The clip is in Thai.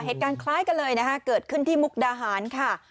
เหตุการณ์คล้ายกันเลยนะคะเกิดขึ้นที่มุกดาหารค่ะ